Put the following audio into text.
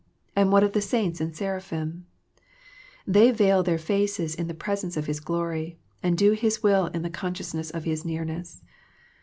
And what of the saints and seraphim ? They veil their faces in the presence of His glory, and do His will in the consciousness of His nearness.